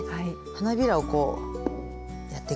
花びらをこうやっていこうかな。